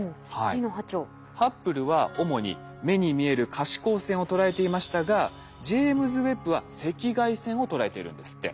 ハッブルは主に目に見える可視光線を捉えていましたがジェイムズ・ウェッブは赤外線を捉えているんですって。